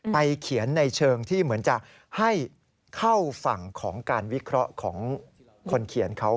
เขียนในเชิงที่เหมือนจะให้เข้าฝั่งของการวิเคราะห์ของคนเขียนเขา